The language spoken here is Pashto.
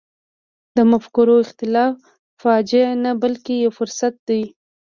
د مفکورو اختلاف فاجعه نه بلکې یو فرصت دی.